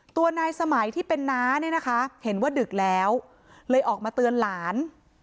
ตัวนายสมัยที่เป็นน้าเนี่ยนะคะเห็นว่าดึกแล้วเลยออกมาเตือนหลาน